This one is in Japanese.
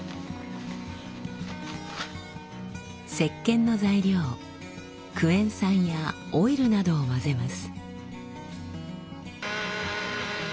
せっけんの材料クエン酸やオイルなどを混ぜます。